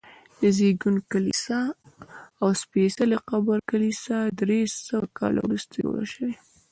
د زېږون کلیسا او د سپېڅلي قبر کلیسا درې سوه کاله وروسته جوړې شوي.